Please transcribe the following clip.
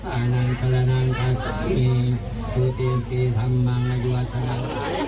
อ้าวนางแสงเดือนลาดอาคาร